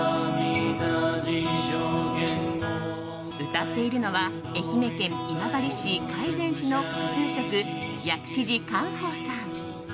歌っているのは愛媛県今治市海禅寺の副住職薬師寺寛邦さん。